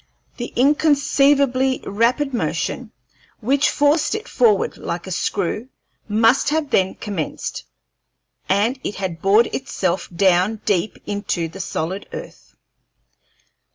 The inconceivably rapid motion which forced it forward like a screw must have then commenced, and it had bored itself down deep into the solid earth.